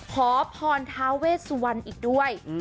ขอพรทาเวซวันอีกด้วย